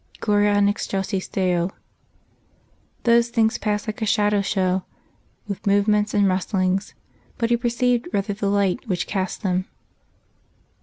Gloria in excelsis Deo ..._ those things passed like a shadow show, with movements and rustlings, but he perceived rather the light which cast them.